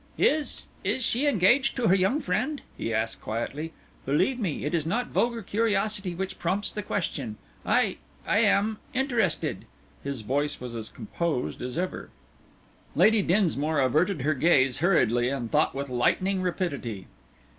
"Is is she engaged to her young friend?" he asked quietly. "Believe me, it is not vulgar curiosity which prompts the question. I I am interested." His voice was as composed as ever. Lady Dinsmore averted her gaze hurriedly and thought with lightning rapidity.